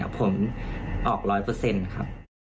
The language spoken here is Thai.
ผมออก๑๐๐ครับ